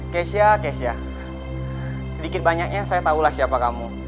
keisha keisha sedikit banyaknya saya tahulah siapa kamu